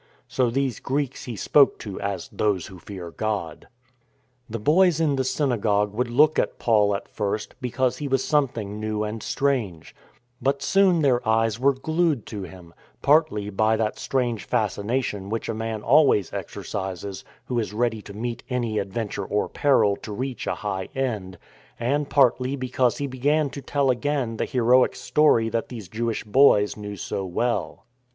So these Greeks he spoke to as " those who fear God." The boys in the synagogue would look at Paul at first, because he was someone new and strange. But * It seems probable that the lessons that day wer? Deut. i. an^ Isaiah i. 134 THE FORWARD TREAD soon their eyes were glued to him, partly by that strange fascination which a man always exercises who is ready to meet any adventure or peril to reach a high end, and partly because he began to tell again the heroic story that these Jewish boys knew so well.